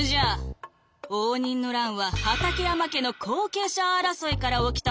応仁の乱は畠山家の後継者争いから起きたものぞ！」。